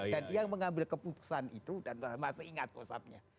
dan dia mengambil keputusan itu dan masih ingat posapnya